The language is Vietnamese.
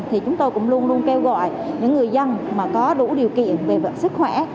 thì chúng tôi cũng luôn luôn kêu gọi những người dân mà có đủ điều kiện về sức khỏe